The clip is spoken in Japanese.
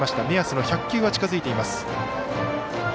目安の１００球が近づいています。